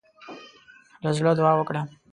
له زړۀ دعا وکړه.